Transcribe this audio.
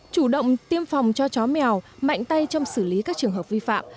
chủ động tiêm phòng cho chó mèo mạnh tay trong xử lý các trường hợp vi phạm